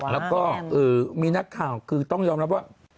แล้วก็มีนักข่าวคือต้องยอมรับว่า